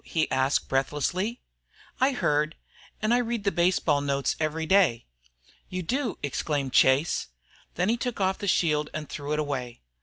he asked, breathlessly. "I heard, and I read the baseball notes every day." "You do?" exclaimed Chase. Then he took off the shield and threw it away.